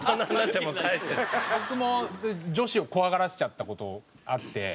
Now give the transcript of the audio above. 僕も女子を怖がらせちゃった事あって。